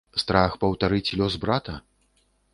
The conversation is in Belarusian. Страх паўтарыць лёс брата?